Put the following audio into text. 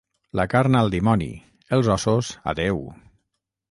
La carn al dimoni, els ossos a Déu.